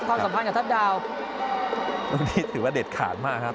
ความสำคัญกับทัชดาวท์ทุกนี้ถือว่ามากครับ